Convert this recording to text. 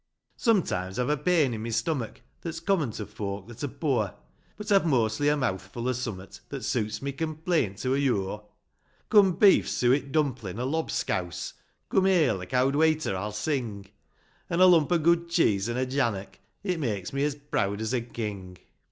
Sometimes I've a pain i' my stomach That's common to folk that are poor ; But I've mostly a mouthful o' some'at That suits my complaint to a yure : COME TO YOUR PORRITCH. 1 49 Come beef, suet dumplin', or lobscouse, Come ale, or cowd wayter, I'll sing; An' a lump o' good cheese an' a jannock,' It makes me as proud as a king.